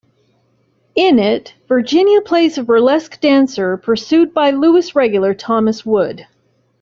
In it, Virginia plays a burlesque dancer pursued by Lewis regular Thomas Wood.